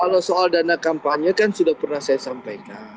kalau soal dana kampanye kan sudah pernah saya sampaikan